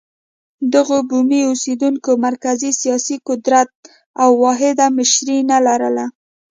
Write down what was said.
دغو بومي اوسېدونکو مرکزي سیاسي قدرت او واحده مشري نه لرله.